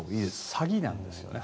詐欺なんですよね。